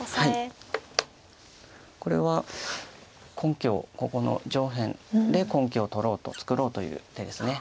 これは根拠をここの上辺で根拠を作ろうという手です。